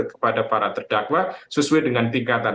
kepada para terdakwa sesuai dengan tingkatan